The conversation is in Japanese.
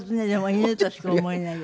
犬としか思えないです。